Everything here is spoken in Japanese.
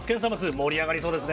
盛り上がりそうですね。